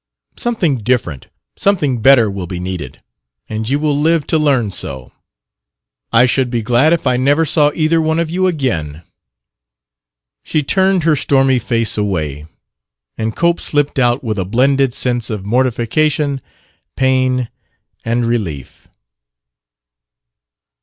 Something different, something better will be needed, and you will live to learn so. I should be glad if I never saw either one of you again!" She turned her stormy face away, and Cope slipped out with a blended sense of mortification, pain and relief.